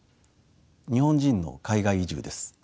日本人の海外移住です。